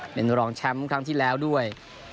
เป็นรองแชมป์ครั้งที่แล้วด้วย